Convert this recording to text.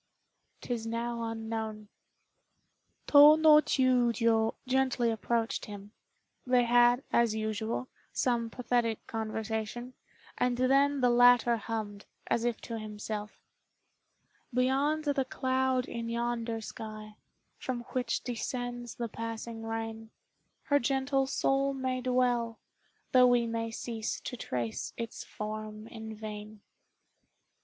'Tis now unknown." Tô no Chiûjiô gently approached him. They had, as usual, some pathetic conversation, and then the latter hummed, as if to himself "Beyond the cloud in yonder sky, From which descends the passing rain, Her gentle soul may dwell, Though we may cease to trace its form in vain."